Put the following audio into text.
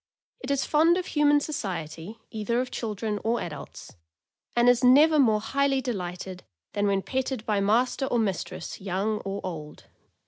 It is fond of human society, either of children or adults, and is never more highly delighted than when petted by master or mistress, young or old.